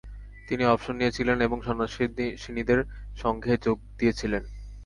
তিনি অবসর নিয়েছিলেন এবং সন্ন্যাসিনীদের সংঘে যোগ দিয়েছিলেন।